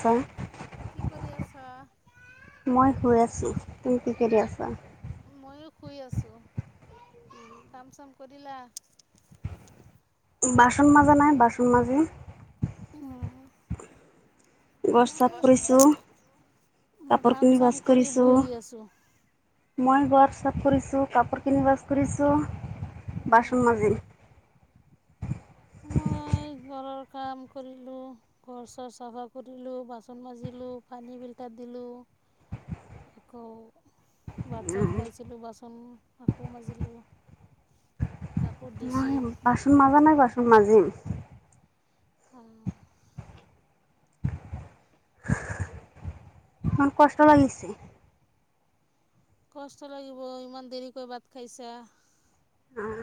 চাওঁ। কি কৰি আছা? মই শুই আছোঁ, তুমি কি কৰি আছা? মই ও শুই আছোঁ কাম চাম কৰিলা? বাচন মাজা নাই বাচন মাজিম। উম, ঘৰ চাফ কৰিছোঁ মই কাপোৰ কাম খিনি চাম ভাছ কৰি কৰিছোঁ। বহি আছোঁ। মই ঘৰ চাফ কৰিছোঁ কাপোৰ খিনি ভাছ কৰিছোঁ বাচন মাজিম। ঘৰ কাম কৰিলোঁ। ঘৰ চৰ চাফা কৰিলোঁ, বাচন মাজিলোঁ, পানী ফিল্টাৰ দিলোঁ। আকৌ ভাত চাত খাইছিলোঁ বাচন আকৌ মাজিলোঁ কাপোৰ মই ধুইছোঁ। বাচন মাজা নাই, বাচন মাজিম। অঁ। ইমান কষ্ট লাগিছে কষ্ট লাগিব, ইমান দেৰিকৈ ভাত খাইছা অহ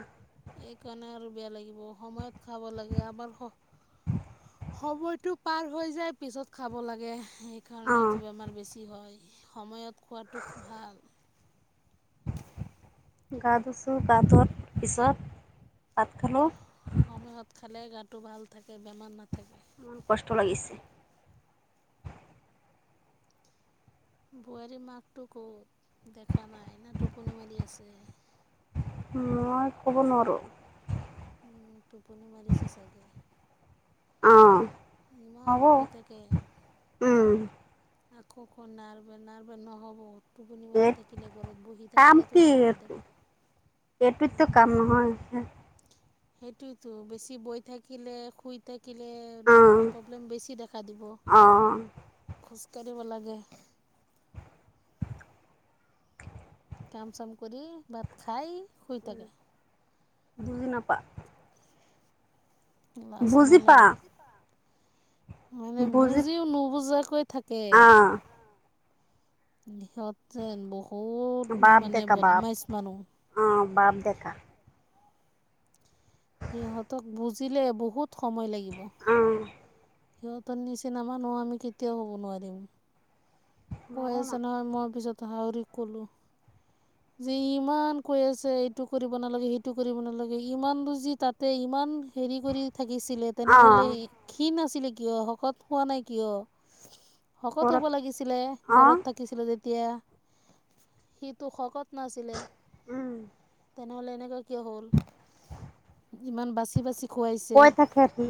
এই কাৰণে আৰু বেয়া লাগিব, সময়ত খাব লাগে আমাৰ স সময়টো পাৰ হৈ যায় পিছত খাব লাগে। অ সেইকাৰণে এটো বেমাৰ বেছি হয় সময়ত খোৱাটো ভাল গা ধুইছোঁ গা ধোৱাৰ পিছত ভাত খালোঁ। সময়ত খালে গাটো ভাল থাকে বেমাৰ নাথাক উম কষ্ট লাগিছে বোৱাৰীৰ মাকটো ক'ত? দেখা নাই না টোপনি মাৰি আছে। মই ক'ব নোৱাৰো। উম, টোপনি মাৰিছে চাগে। অঁ ইমান শুই থাকে উম আকৌ কনাৰ বেনাৰ নহ'ব। টোপনি এই মাৰি থাকিলে ঘৰত বহি কাম থাকিলে কি তো নাৰ বাৰ এইটো দে এইটোতো কাম নহয় সেইটোৱে টো বেছি বহি থাকিলে, শুই থাকিলে নাৰ্ভাৰ প্ৰব্লেম বেছি দেখা দিব। অঁ খোজ কাঢ়িব লাগে। কাম চাম কৰি, ভাত খাই, শুই থাকে। বুজি নাপা‌ লাজ বুজি পা নালাগে। মানে বুজি বুজিও নুবুজাকৈ থাকে। আহ সিহঁত যেন বহুত বদমাইছ মানুহ। অঁ বাপ দেকা সিহঁতক বুজিলে বহুত সময় লাগিব। অ সিহঁতৰ‌‌নিচিনা মানুহ আমি কেতিয়াও হ'ব নোৱিৰিম। কৈ আছে নহয় মই পিছত হাউৰিক ক'লোঁ [unintelligible] যি ইমান কৈ আছে এইটো কৰিব নালাগে সেইটো কৰিব নালাগে ইমান বোৰ যি তাত তে ইমান হেৰি কৰি থাকিছিলে অ তেনেহ'লে ক্ষীণ আছিলে কিয় শকত হোৱা নাই কিয়? শকত ঘৰত হ'ব লাগিছিলে অ ঘৰত থাকিছিলে যেতিয়া সিটো শকত নাছিলে উম ন'হলে এনেুকোৱা কিয় হ'ল ইমান বাচি বাচি খোৱাইছে কৈ থাকে সি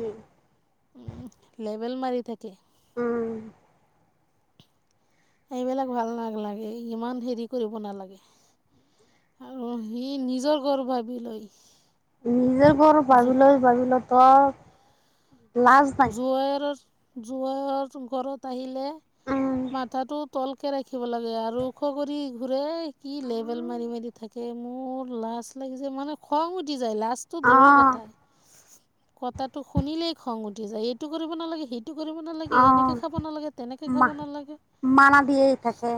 উম, লেবেল মাৰি থাকে। উম। এইবিলাক ভাল নাগলাগে ইমান হেৰি কৰিব নালাগে। আৰু সি নিজৰ ঘৰ ভাবিলৈ নিজে ঘৰ ভাবিলৈ ভাবি ল ত জোঁৱেৰৰ জোঁৱেৰৰ ঘৰত আহিলে উম মাথাটোত তলকে ৰাখিব লাগে আৰু শহুৰিৰ ঘূৰে কি লেবেল মাৰি মাৰি থাক তে মোৰ লাচ লাগিছে মানে খং উঠি যায়। লাজট টো অ দূৰৰ কথাই কথাটো শুনিলেই খং উঠি যায় এইটো কৰিব নালাগে সি। টো কৰিব অ নালাগে, এনেকে খাব নালাগে, তেনেকে মা খাব নালাগে। মানা দিয়ে থাকে।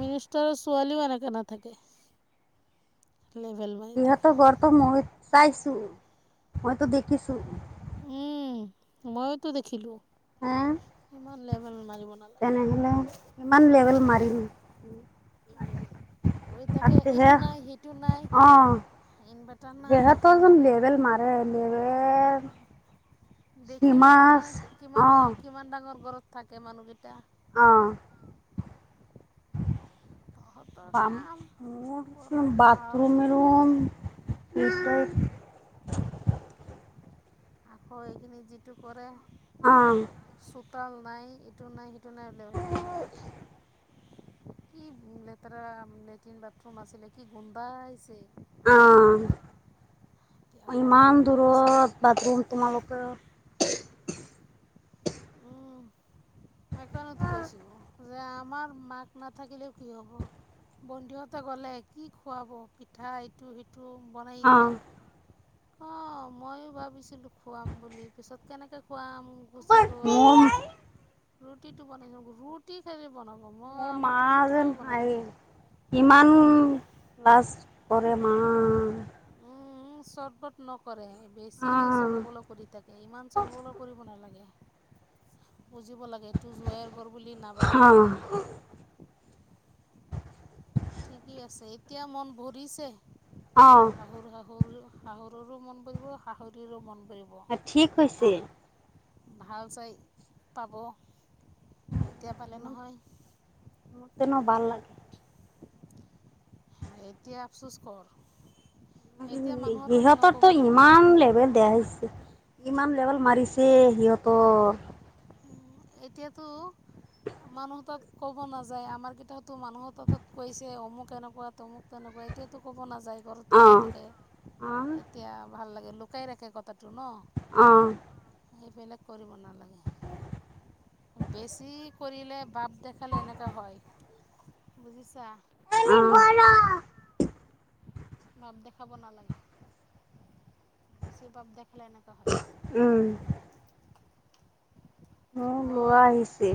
মিনিষ্টাৰৰ ছোৱালীও এনেকে নাথাকে, লেভেল মাৰ সিহঁতৰ ঘৰটো মই চাইছো, মইটো দেখিছো। উম মইওঁটো দেখিলো। হা? সিমান লেভেল মাৰিব না তে'নেহলে ইমান লেভেল মাৰিল। ঐ আৰু তাকে এইটো তেহে নাই, সেইটো নাই, অ ইনভাটাৰ নাই। ইমান লেভেল মাৰে লেবেল। দেখিলো হিমাচ নহয় অ কিমান কিমান ডাঙৰ ঘৰত থাকে মানুহকেইটা। অ। তহঁতৰ বাম কাম মোৰ কৰ চোন খাওঁ বাথৰুমে ৰুম [unintelligible] আক এইখিনি যিটো কৰে অ। চোতাল নাই ইটো নাই সিটো নাই, লেভেল ফাল কি লেতেৰা লেট্ৰিন, বাথৰুম আছিলে কি গোন্ধাইছে। গৈছিলো যে অ এতিয়া আকৌ ইমান লেবেল ফালি আছে। দূৰত বাথৰুম তোমালোকে উম সেকানেতো কৈছো। যে আমাৰ মাক নাথাকিলে কি হ'ব? বন্ধুহতে গ'লে কি খুৱাব পিঠাই টো-সিটো অ বনায়েই থাকে। অ মই ভাবিছিলো খুৱাম বুলি, পিছত কেনেকৈ খুৱাম গুচি গ'ল কাৰু। মোৰ ৰুটিটো বনাই আক ৰুটি খাই যে বনাব মই মোৰ মা আমাৰতো পিঠাও যেন বনালে আৰি কিমান লাজ পৰে মা উম উ চটবট নকৰে এ অ বেছি চলবল কৰি থাকে ইমান চলবল কৰিব নালাগে। বুজিব লাগে এটো জোঁৱাইৰ ঘৰ বুলি নাভাবে সি। ঠিকেই আছে এতিয়া মন ভৰিছে। অ। শহুৰ শাহুৰ শাহুৰৰো মন বৰিব শাহুৰীৰো মন ভৰিব। ঠিক হৈছে খাহ ভাল চাই পাব এতিয়া পালে মোৰ নহয়। তেনো ভাল লাগ এতিয়া আফচোচ কৰ। এতিয়া মানুহৰ তাত সিহঁতৰতো নক'বতো ইমান লেভেল দেছ ইমান লেবেল মাৰিছে সিহঁতৰ। উম এতিয়াতো - মানুহ তাত ক'ব নাযায় আমাৰ কেইটাওতো মানুহ তাত কৈছে অমুক এনেকুৱা তমুক তেনেকুৱা এতিয়া - তো ক'ব নাযায় ঘৰতে বহি অ', থাকে। অ', এতিয়া ভাল লাগে লুকাই ৰাখে কথাটো ন। অ'। সেইবিলাক কৰিব নালাগে। বেছি কৰিলে বাট দেখালে এনেকুৱা হয়, বুজিছা। উম। বাপ দেখাব নালাগে, বেছি বাপ দেখালে এনেকুৱা হয়। উম। মোৰ ল'ৰা সৈতে, আহিছে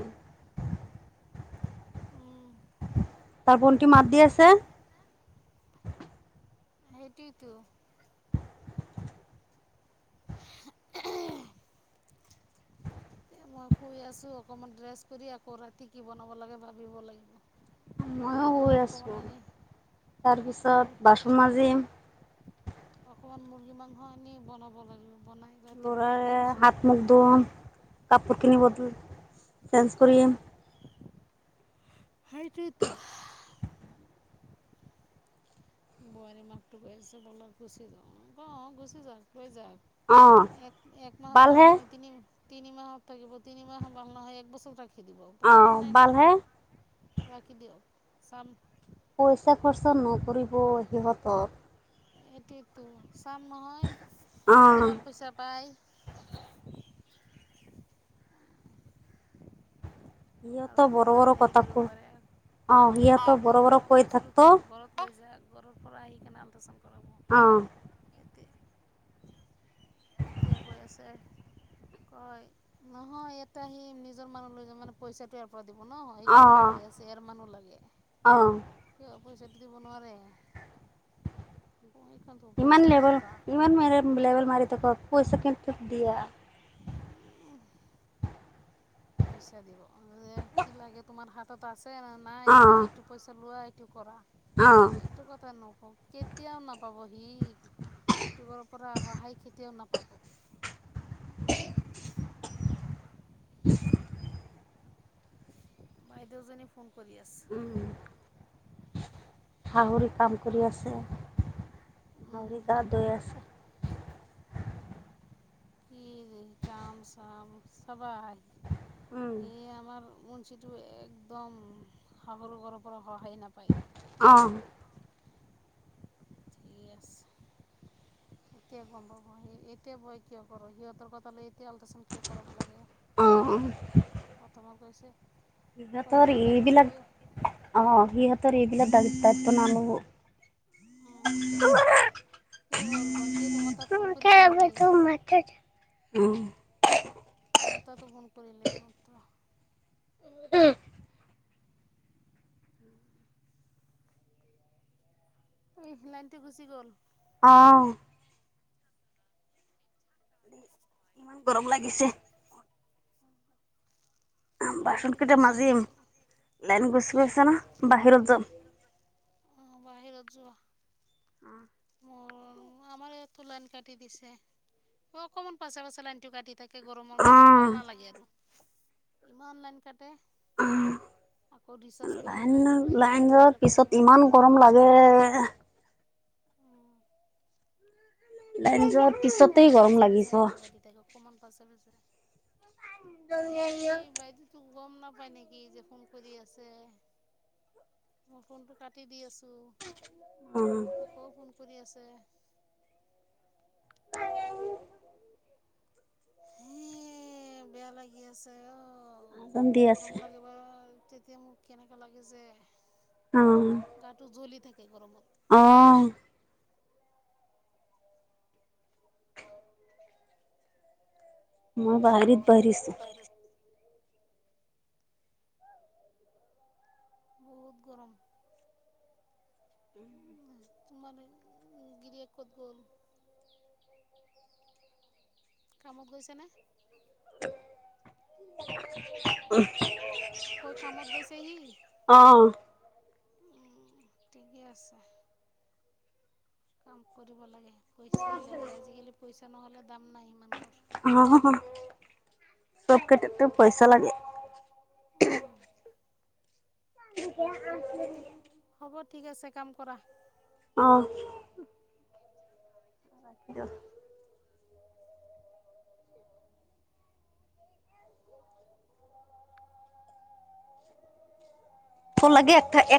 উম। তাৰ ভন্টি মাত দি আছে। সেইটোৱেতো। এতিয়া মই শুই আছোঁ, অকণমান ড্ৰেছ কৰি আকৌ ৰাতি কি বনাব লাগে ভাবিব লাগিব। মইয়ো মুৰ্গী মাংস শুই অকণমান আছোঁ, আনি মুৰ্গী তাৰপিছত বাচন মাজিম। অকণমান মুৰ্গী মাংস আনি বনাব লাগিব। বনাই ৰাতি বনাই ল'ৰাৰে দিম হাত মুখ ছোৱালীয়ে খাই ধুম দিব। কাপোৰ কিনিব তোৰ চেঞ্জ কৰিম। সেইটোৱেতো। বোৱাৰী মাকটো কৈ আছে বলক গুচি যাও, অ' গুচি যাওক লৈ যাওক। অ', এক, এক মাহত ভাল বালহে নহয় তিনি তিনি মাহত থাকিব, তিনি মাহ ভাল নহয় এক বছৰ থাকিব। ৰাখি দিব পব্লেম অ', নাই বালহে নহয়। ৰাখি দিয়ক, চাম - পইচা খৰচা নকৰিব সিহঁতৰ। সেইটোৱেতো চাম নহয়, অ', কিমান পইচা পায়। আৰু সিহঁতৰ বড়ো কিমান বড়ো হেৰি কথা কৰিব ক পাৰে, অ' মই কৈছিলোঁ তো ঘৰত - নিজা ঘৰৰ পৰা আহি কিনে আল্ট্ৰাচাউণ্ড কৰাব। অ'। হেতি, এতিয়া কৈ আছে - কয়, নহয় ইয়াতে আহিম নিজৰ মানুহ লৈ যাম মানে পইচা - পৰা দিব ন, সেইকাৰণে কৈ আছে এইয়াৰ মানুহ লাগে। কিয়, পইচা তো দিব নোৱাৰে। অ সেই এখন টো। ইমান লেবেল ইমান লেভেল মাৰি থাক পইচা [unintelligible] দিয়া। পইচা দিব। এ কি লাগে তোমাৰ হাতত আছে নে নাই তুমি অ' এইটো - পইচা লোৱা এইটো কৰা। অ'। সেইটো কথা নকওঁ, কেতিয়াও নাপাবহি। ইউটিউবৰ পৰা সহায় কেতিয়াওঁ নাপাব। বাইদেউজনী ফোন কৰি আছে। উম। শাহুৰ কাম কৰি আছে। আৰু ই গা ধুই আছে। কি কাম চাম চাব আহি, উম, এই আমাৰ উন - চিটো একদম শাহুৰ ঘৰৰ পৰা সহায় নাপায়। অঁ। য়েচ্ এতিয়া গম পাব সি, এতিয়া ভয় কিয় কৰ সিহঁতৰ কথা লৈ এতিয়া আল্ট্ৰাচাউণ্ড - কিয় কৰাব লাগে, অ' প্ৰথমত কৈছে - সিহঁতৰ এইবিলাক অ' সিহঁতৰ এইবিলাক দাগ তাইনা ল'ব [unintelligible] কি হ'ল বন্তিয়ে তোমাৰ তাত ফোন কৰিছে নেকি? এইটো মাথাত উম মোৰ তাতো ফোন কৰিলে এই মাত্ৰ [unintelligible] ঐ লাইনটো গুচি গ'ল। অ ইমান গৰম লাগিছে। বাচন লাইনটো কেইটা গুচি মাজিম গ'ল। লাইন গুচি গৈছে না বাহিৰত যাম। অ বাহিৰত যোৱা। উম মোৰ আমাৰ ইয়াতো লাইন কাটি দিছে অ অকণমান পাছে পাছে লাইনটো কাটি তাকে গৰমৰ মাজত অ' ভাল নালাগে আৰু ইমান লাইন কাটে। আকৌ ৰিচাৰ্জ কৰি লাইন ওলাইছে লাইন আকৌ যোৱাৰ এইবিলাক লাইন পিছত ইমান কাটে ভাল গৰম নালাগে লাগে। লাইন যোৱা পিছতেই গৰম লাগিব অকমান পাছে পাছে [unintelligible] তোক গম নাপাই নেকি যে ফোন কৰি আছে। মোৰ ফোনটো কাটি দি আছো। অ আকৌ ফোন কৰি আছে। হে বেয়া লাগি আছে অ' কান্দি আছে। [unintelligible] তেতিয়া মোক কেনেকা লাগে যে উম গাটো জ্বলি থাকে গৰমত। অ মই বাহাৰিত বাৰীছো বাহিৰত বহুত গৰম তোমাৰ গিৰিয়েক ক'ত গ'ল? কামত গৈছে নে? [unintelligible] কৈ কামত গৈছে সি, অ উম ঠিকে আছে। কাম কৰিব লাগে পইচাই লাগে আজিকালি পইচা নহ'লে দাম নাই মানুহৰ হ, হ চব ক্ষেত্ৰতে পইঁচা লাগে। [unintelligible] হ'ব ঠিক আছে কাম কৰা। অ' ৰাখিলো ফোন লাগে একটা এক